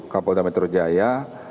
kapal dan metru jaya